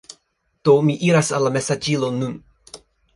Do, mi iras al la mesaĝilo nun